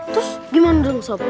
terus gimana dong sob